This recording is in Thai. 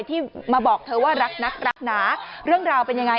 ที่มาบอกเธอว่ารักนักรักหนาเรื่องราวเป็นยังไง